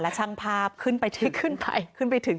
และช่างภาพขึ้นไปถึงขึ้นไปถึง